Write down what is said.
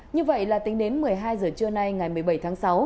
như vậy là tính đến một mươi hai giờ trưa nay ngày một mươi bảy tháng sáu